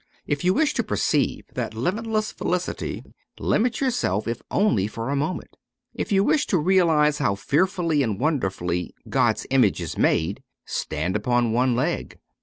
If you wish to perceive that limitless felicity, limit yourself if only for a moment. If you wish to realize how fearfully and wonderfully God's image is made, stand upon one leg.